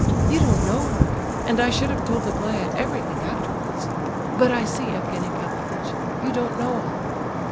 You don't know her; and I should have told Aglaya everything afterwards—but I see, Evgenie Pavlovitch, you don't know all.